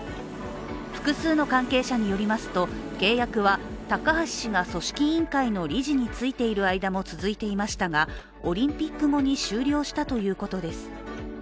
複数の関係者によりますと契約は高橋氏が組織委員会の理事に就いている間も続いていましたがオリンピック後に終了したということです。